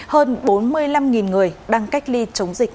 hơn bốn mươi năm người đang cách ly chống dịch